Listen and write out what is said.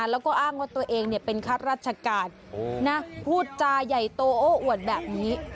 แล้วก็อ้างว่าตัวเองเป็นข้าราชการพูดจาใหญ่โตโอ้อวดแบบนี้